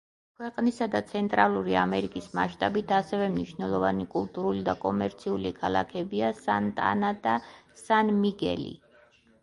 ქვეყნისა და ცენტრალური ამერიკის მასშტაბით ასევე მნიშვნელოვანი კულტურული და კომერციული ქალაქებია სანტა-ანა და სან-მიგელი.